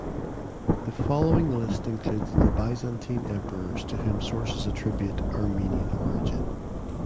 The following list includes the Byzantine emperors to whom sources attribute Armenian origin.